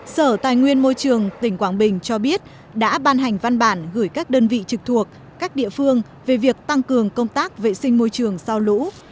sở tài nguyên môi trường tỉnh quảng bình cho biết đã ban hành văn bản gửi các đơn vị trực thuộc các địa phương về việc tăng cường công tác vệ sinh môi trường sau lũ